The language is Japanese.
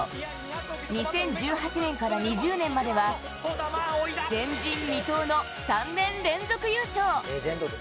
２０１８年から２０年までは前人未到の３年連続優勝。